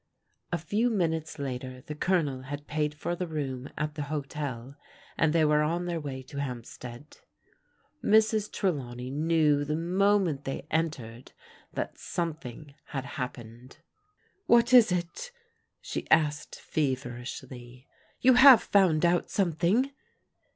A few minutes later the Colonel had paid for the room at the hotel, and they were on their way to Hampstead. Mrs. Trelawney knew the moment they entered that something had happened. "What is it?" she asked feverishly. "You have found out something?"